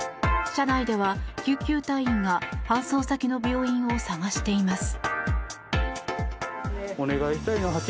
車内では救急隊員が搬送先の病院を探しています。